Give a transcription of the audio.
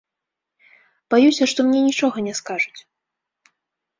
Баюся, што мне нічога не скажуць.